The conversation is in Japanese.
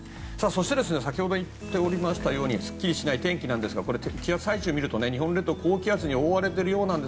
そして、先ほど言っておりましたようにすっきりしない天気ですが気圧配置を見ると日本列島は高気圧に覆われていると。